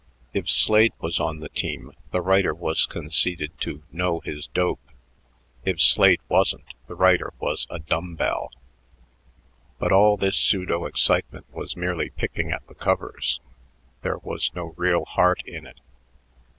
If Slade was on the team, the writer was conceded to "know his dope"; if Slade wasn't, the writer was a "dumbbell." But all this pseudo excitement was merely picking at the covers; there was no real heart in it.